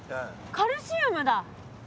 カルシウム？